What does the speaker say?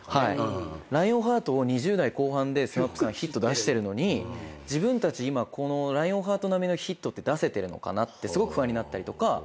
『らいおんハート』を２０代後半でＳＭＡＰさんヒット出してるのに自分たち今『らいおんハート』並みのヒットって出せてるのかなってすごく不安になったりとか。